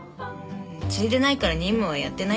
継いでないから任務はやってないけどね。